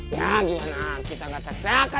ya gimana kita gak terang terangkan